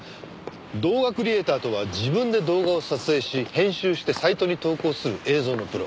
動画クリエイターとは自分で動画を撮影し編集してサイトに投稿する映像のプロ。